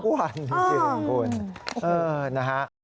ทุกวันจริง